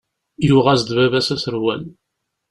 Yuɣ-as-d baba-s aserwal.